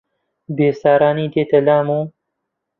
بێسارانی دێتە لام و